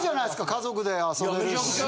家族で遊べるし。